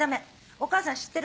お母さん知ってるの。